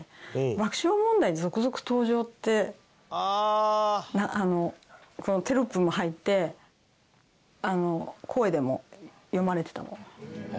「爆笑問題続々登場」ってテロップも入って声でも読まれてたの。